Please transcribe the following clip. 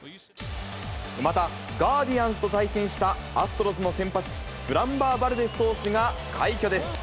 また、ガーディアンズと対戦したアストロズの先発、フランバー・バルデス投手が快挙です。